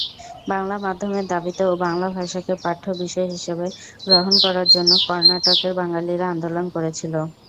বাংলা মাধ্যমের দাবিতে ও বাংলা ভাষাকে পাঠ্য বিষয় হিসেবে গ্রহণ করার জন্য কর্ণাটকের বাঙালিরা আন্দোলন করেছিল।